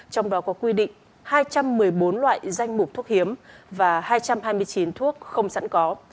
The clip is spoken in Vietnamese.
trong đó có quy định hai trăm một mươi bốn loại danh mục thuốc hiếm và hai trăm hai mươi chín thuốc không sẵn có